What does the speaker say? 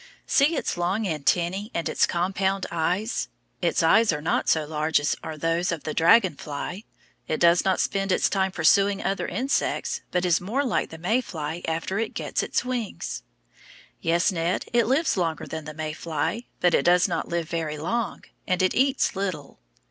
See its long antennæ and its compound eyes. Its eyes are not so large as are those of the dragon fly. It does not spend its time pursuing other insects, but is more like the May fly after it gets its wings. Yes, Ned, it lives longer than the May fly, but it does not live very long, and it eats little.